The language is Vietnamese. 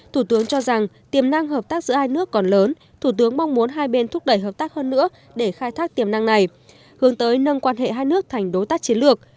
thủ tướng cho rằng tiềm năng hợp tác giữa hai nước còn lớn thủ tướng mong muốn hai bên thúc đẩy hợp tác hơn nữa để khai thác tiềm năng này hướng tới nâng quan hệ hai nước thành đối tác chiến lược